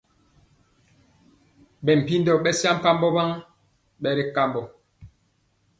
Bɛ mpindo besampabó waŋ bɛri kamɔ.